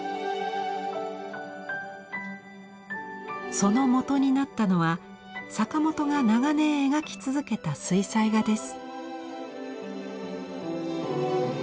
そのもとになったのは坂本が長年描き続けた水彩画です。